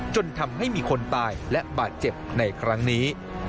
จนทำให้มีคนตายและบาดเจ็บในครั้งนี้